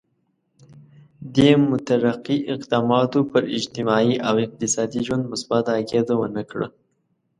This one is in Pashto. دې مترقي اقداماتو پر اجتماعي او اقتصادي ژوند مثبته اغېزه ونه کړه.